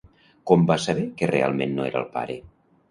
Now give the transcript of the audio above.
Com va saber que realment no era el pare?